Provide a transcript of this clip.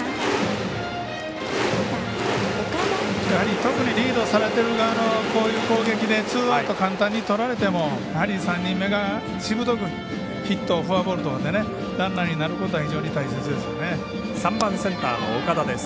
特にリードされてる側の攻撃でツーアウトを簡単にとられてもやはり３人目がしぶとくヒットをフォアボールとかでランナーになることが３番センターの岡田です。